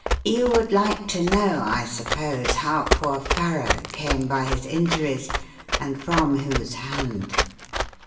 "You would like to know, I suppose, how poor Farrow came by his injuries and from whose hand.